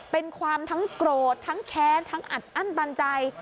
เป็นความทั้งโกรธทั้งแค้นทั้งอัดอั้นตันใจ